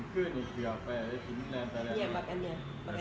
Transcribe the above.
ขึ้นเนี่ยเกือบไป